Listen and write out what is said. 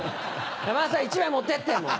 山田さん１枚持ってってもう。